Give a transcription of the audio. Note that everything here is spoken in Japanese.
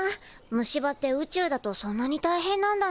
虫歯って宇宙だとそんなにたいへんなんだね。